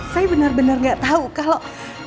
saya bener bener gak tahu kalau